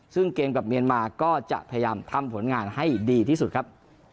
ซึ่งเกมกับเมียนมาก็จะพยายามทำผลงานให้ดีที่สุดครับ